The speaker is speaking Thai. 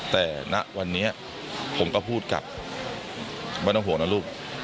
แต่ณวันนี้ผมก็พูดกลับไม่ต้องห่วงนะลูก